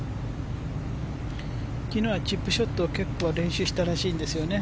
昨日はチップショットを結構、練習したらしいんですね。